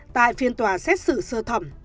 tại phiên tòa xét xử sơ thẩm